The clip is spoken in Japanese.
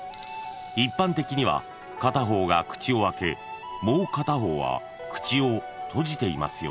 ［一般的には片方が口を開けもう片方は口を閉じていますよね］